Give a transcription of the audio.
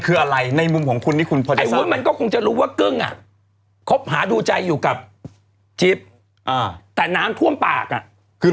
พยายามมันเป็นคนใกล้ตัวนางมาแล้ว